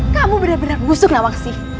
kamu benar benar busuk nawangsi